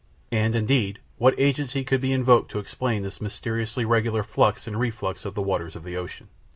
And, indeed, what agency could be invoked to explain this mysteriously regular flux and reflux of the waters of the ocean?